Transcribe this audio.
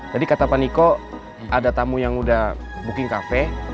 tadi kata pak niko ada tamu yang udah booking cafe